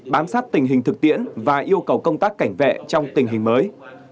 bám sát tình hình thực tiễn và yêu cầu công tác cảnh vệ trong tình hình mới